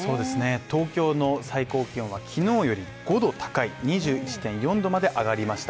東京の最高気温はきのうより５℃高い２１．４度まで上がりました。